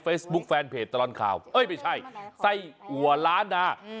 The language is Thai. เฟซบุ๊กแฟนเพจตลอดข่าวเอ้ยไม่ใช่ไส้อัวล้านนาอืม